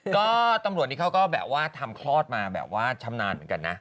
ก็ตำรวจนี่เขาก็แบบว่าทำคลอดมาแบบว่าชำนาญเหมือนกันนะ